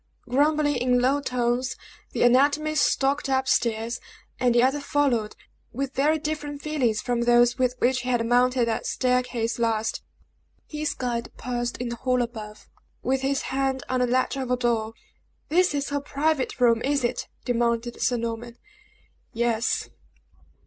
Grumbling, in low tones, the anatomy stalked up stairs; and the other followed, with very different feelings from those with which he had mounted that staircase last. His guide paused in the hall above, with his hand on the latch of a door. "This is her private room, is it!" demanded Sir Norman. "Yes."